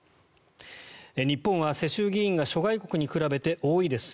日本は世襲議員が諸外国に比べて多いです。